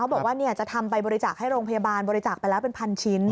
บอกว่าจะทำไปบริจาคให้โรงพยาบาลบริจาคไปแล้วเป็นพันชิ้น